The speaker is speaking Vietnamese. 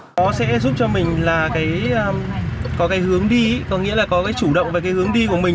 nó sẽ giúp cho mình là có cái hướng đi có nghĩa là có cái chủ động về cái hướng đi của mình